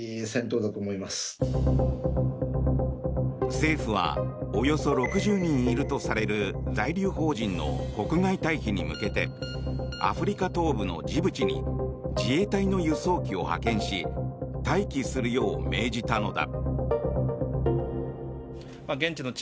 政府はおよそ６０人いるとされる在留邦人の国外退避に向けてアフリカ東部のジブチに自衛隊の輸送機を派遣し待機するよう命じたのだ。